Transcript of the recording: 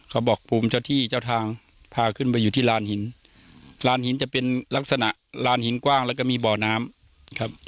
เขาบอกภูมิเจ้าที่เจ้าทางพาขึ้นไปอยู่ที่ลานหินลานหินจะเป็นลักษณะลานหินกว้างแล้วก็มีบ่อน้ำครับ